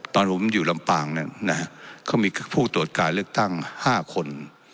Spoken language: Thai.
ตอนผมอยู่ลำปางนั้นเขามีผู้ตรวจการเลือกตั้ง๕คน